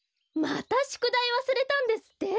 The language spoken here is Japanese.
またしゅくだいわすれたんですって？